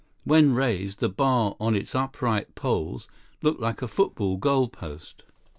When raised, the bar on its upright poles looked like a football goal post.